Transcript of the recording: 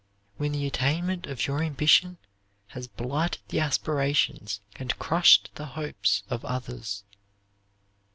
When the attainment of your ambition has blighted the aspirations and crushed the hopes of others.